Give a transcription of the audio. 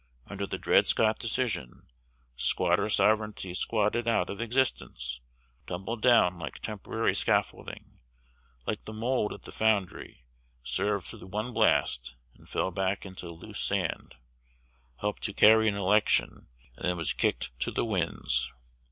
Under the Dred Scott Decision, squatter sovereignty squatted out of existence, tumbled down like temporary scaffolding; like the mould at the foundery, served through one blast, and fell back into loose sand; helped to carry an election, and then was kicked to the winds.